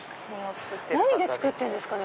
何で作ってるんですかね？